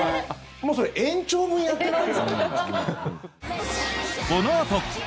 もうそれ延長分やってない？